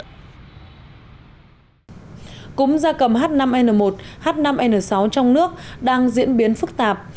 cúng gia cầm h năm n một h năm n sáu trong nước đang diễn biến phức tạp